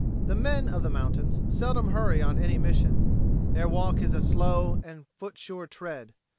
The men of the mountains seldom hurry on any mission. Their walk is a slow and foot sure tread.